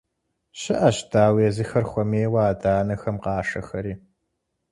ЩыӀэщ, дауи, езыхэр хуэмейуэ адэ-анэхэм къашэхэри.